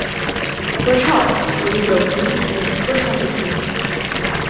合唱指一种集体性的歌唱艺术。